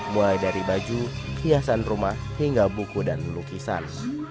mulai dari baju hiasan rumah hingga buku dan lukisan